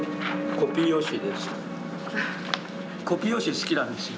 コピー用紙好きなんですよ。